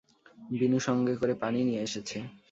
বিনু সঙ্গে করে পানি নিয়ে এসেছে।